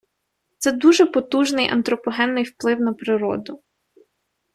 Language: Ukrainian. Це дуже потужний антропогенний вплив на природу.